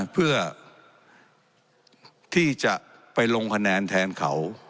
เพื่อที่จะไปลงคะแนนแทนเขา